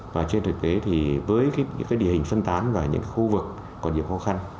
và trên thực tế thì với những địa hình phân tán và những khu vực còn nhiều khó khăn